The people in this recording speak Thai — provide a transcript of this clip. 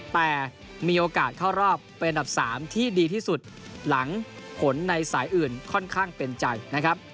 แต่มีโอกาสเข้ารอบเป็นอันดับ๓ที่ดีที่สุดหลังผลในสายอื่นค่อนข้างเป็นใจนะครับ